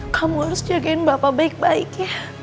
kamu harus jagain bapak baik baik ya